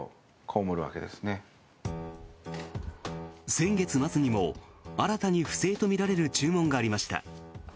先月末にも新たに不正とみられる注文がありました。